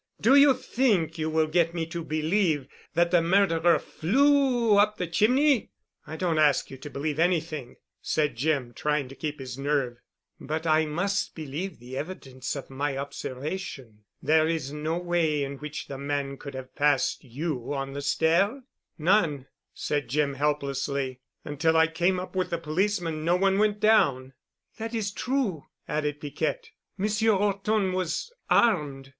Do you think you will get me to believe that the murderer flew up the chimney?" "I don't ask you to believe anything," said Jim, trying to keep his nerve. "But I must believe the evidence of my observation. There is no way in which the man could have passed you on the stair?" "None," said Jim helplessly, "until I came up with the policeman no one went down." "That is true," added Piquette. "Monsieur 'Orton was armed.